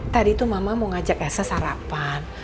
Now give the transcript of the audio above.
tadi itu mama mau ngajak elsa sarapan